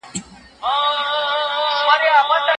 هيڅوک دا حق نلري، چي د فرضو له اداء څخه ئې منع کړي.